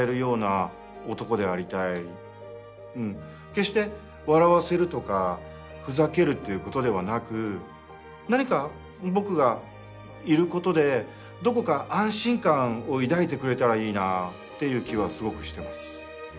決して笑わせるとかふざけるっていうことではなく何か僕がいることでどこか安心感を抱いてくれたらいいなっていう気はすごくしてます。